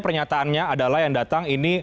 pernyataannya adalah yang datang ini